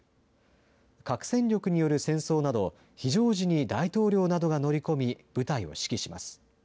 核戦力による戦争など、非常時に大統領などが乗り込み、部隊を指揮します。